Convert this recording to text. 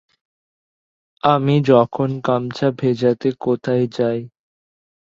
আমি যখন গামছা ভেজাতে কোথায় যাই?